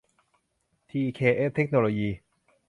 ที เค เอส เทคโนโลยี